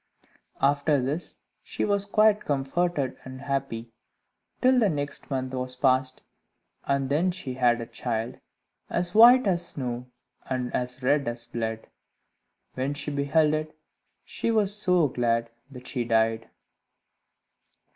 After this she was quite comforted and happy, till the next month was passed, and then she had a child as white as snow and as red as blood. When she beheld it, she was so glad, that she died.